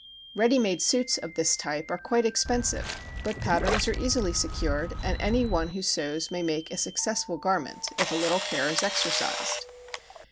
Ready made suits of this type are quite expensive but patterns are easily secured and any one who sews may make a successful garment if a little care is exercised.